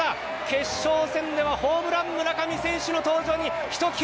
決勝戦ではホームランの村上選手の登場にひと際